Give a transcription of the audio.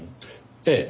ええ。